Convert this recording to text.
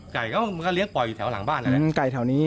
ไก่ก็มันก็เลี้ยปล่อยอยู่แถวหลังบ้านแหละนะไก่แถวนี้